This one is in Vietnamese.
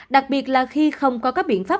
đặc biệt là khi không có các biện pháp